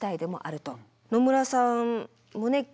野村さんもね